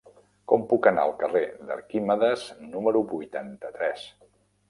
Com puc anar al carrer d'Arquímedes número vuitanta-tres?